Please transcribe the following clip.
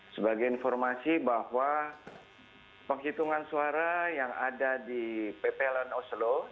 sebagai informasi bahwa penghitungan suara yang ada di ppln oslo